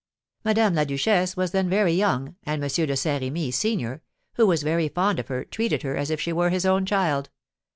Madame la Duchesse was then very young, and M. de Saint Remy, senior, who was very fond of her, treated her as if she were his own child.